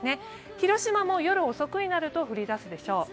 広島も夜遅くになると降り出すでしょう。